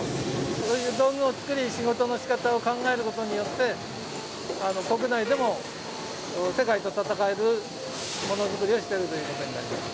そういう道具を作り、仕事のしかたを考えることによって、国内でも世界と戦えるものづくりをしているということになります。